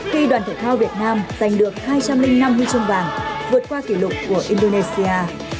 khi đoàn thể thao việt nam giành được hai trăm linh năm huy chương vàng vượt qua kỷ lục của indonesia